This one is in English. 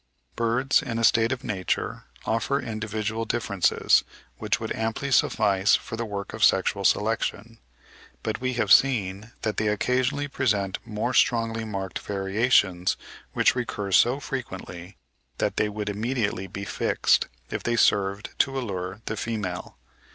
Birds in a state of nature offer individual differences which would amply suffice for the work of sexual selection; but we have seen that they occasionally present more strongly marked variations which recur so frequently that they would immediately be fixed, if they served to allure the female.